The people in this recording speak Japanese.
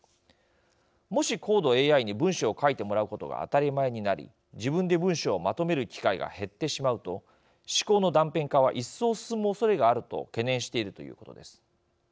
もし高度ＡＩに文章を書いてもらうことが当たり前になり自分で文章をまとめる機会が減ってしまうと思考の断片化は一層進むおそれがあると懸念しているということです。